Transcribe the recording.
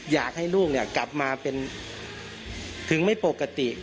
อยากให้ลูกกลับมาเป็นถึงไม่ปกติ